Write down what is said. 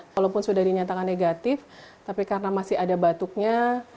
walaupun sudah dinyatakan negatif tapi karena masih ada batuknya